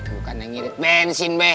bukan yang ngirit bensin bek